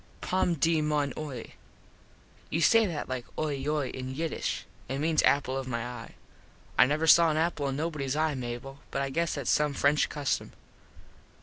_ Pom de mon oie: You say that like oie yoy in Yiddish. It means apple of my eye. I never saw an apple in nobodys eye, Mable, but I guess thats some French custom.